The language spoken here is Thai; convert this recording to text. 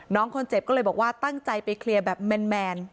น้องคนเจ็บก็เลยบอกว่าตั้งใจไปเคลียร์แบบแมน